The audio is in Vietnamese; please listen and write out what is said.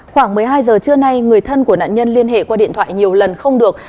khoảng một mươi hai giờ trưa nay người thân của nạn nhân liên hệ qua điện thoại nhiều lần không được